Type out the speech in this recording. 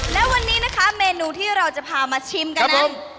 และวันนี้นะคะเมนูที่เราจะพามาชิมกันนั้น